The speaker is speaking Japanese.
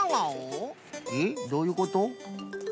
えっ？どういうこと？